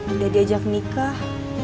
udah diajak nikah